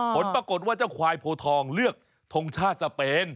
ผลปรากฏว่าเจ้าควายโพทองเลือกทงชาติสเปน